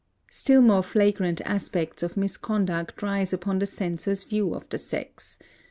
Still more flagrant aspects of misconduct rise upon the censor's view of the sex.